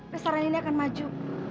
leseran ini akan maju